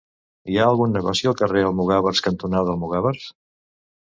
Hi ha algun negoci al carrer Almogàvers cantonada Almogàvers?